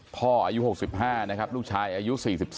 อายุ๖๕นะครับลูกชายอายุ๔๒